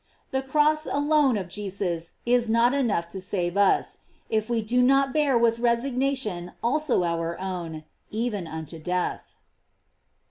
f The cross alone of Jesus is not enough to save us, if we do not bear with resignation also our own, even unto death.